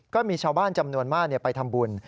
ก็มีชาวบ้านจำนวนมากไปทำบุญ